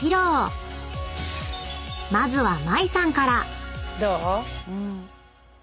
［まずは麻衣さんから］